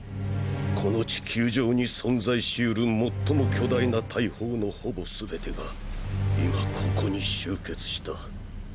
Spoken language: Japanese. この地球上に存在しうる最も巨大な大砲のほぼすべてが今ここに集結した。